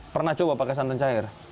pernah coba pakai santan cair